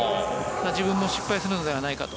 自分も失敗するのではないかと。